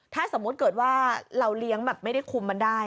ถ้าสมมุติเกิดว่าเราเลี้ยงแบบไม่ได้คุมมันได้